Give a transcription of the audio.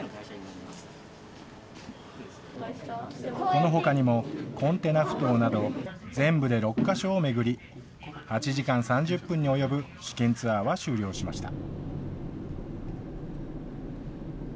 このほかにもコンテナふ頭など、全部で６か所を巡り、８時間３０分に及ぶ試験ツアーは終了しました。